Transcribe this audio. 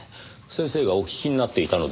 先生がお聴きになっていたのでしょうか？